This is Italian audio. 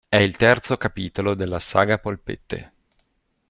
È il terzo capitolo della saga Polpette.